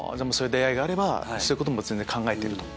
出会いがあればそういうことも全然考えてる。